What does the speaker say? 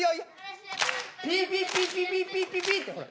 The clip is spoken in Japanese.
ピッピッピッピピッピッピピってほら。